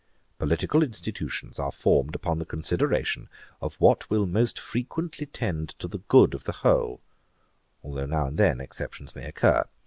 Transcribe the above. Political institutions are formed upon the consideration of what will most frequently tend to the good of the whole, although now and then exceptions may occur.